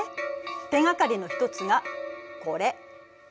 手がかりの一つがこれ。